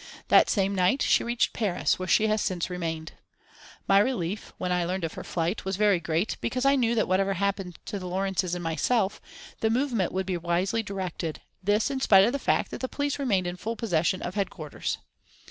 The same night she reached Paris, where she has since remained. My relief, when I learned of her flight, was very great, because I knew that whatever happened to the Lawrences and myself, the movement would be wisely directed, this in spite of the fact that the police remained in full possession of headquarters.